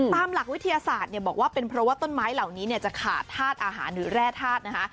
ตามหลักวิทยาศาสตร์เนี่ยบอกว่าเป็นเพราะว่าต้นไม้เหล่านี้จะขาดธาตุอาหารหรือแร่ธาตุนะคะ